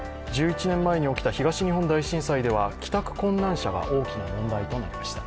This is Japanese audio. １１年前に起きた東日本大震災では、帰宅困難者が大きな問題となりました。